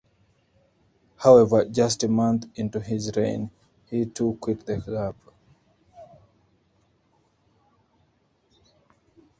However, just a month into his reign, he too quit the club.